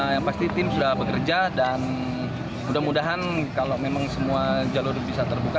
yang pasti tim sudah bekerja dan mudah mudahan kalau memang semua jalur bisa terbuka